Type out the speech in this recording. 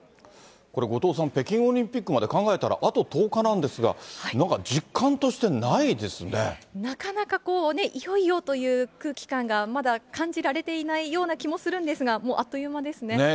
これ、後藤さん、北京オリンピックまで考えたらあと１０日なんですが、なかなかこうね、いよいよという空気感がまだ感じられていないような気もするんですが、あっという間ですね。